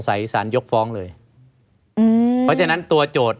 ไม่มีครับไม่มีครับ